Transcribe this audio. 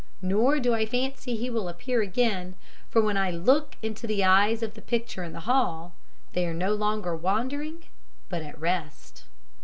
Nor do I fancy he will appear again, for when I look into the eyes of the picture in the hall, they are no longer wandering, but at rest."